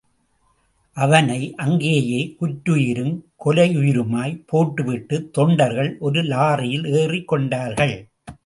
அவனை, அங்கேயே குற்றுயிரும், கொலையுயிருமாய் போட்டுவிட்டு, தொண்டர்கள், ஒரு லாரியில் ஏறிக் கொண்டார்கள்.